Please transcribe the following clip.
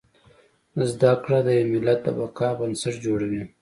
زده کړه د يو ملت د بقا بنسټ جوړوي